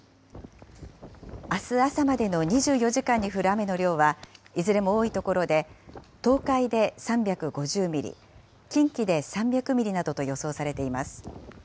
あす朝までの２４時間に降る雨の量は、いずれも多い所で東海で３５０ミリ、近畿で３００ミリなどと予想されています。